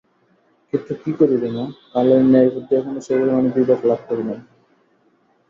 কিন্তু কী করবে মা, কালের ন্যায়বুদ্ধি এখনো সে পরিমাণে বিবেক লাভ করে নি।